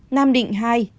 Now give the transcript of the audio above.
nam định hai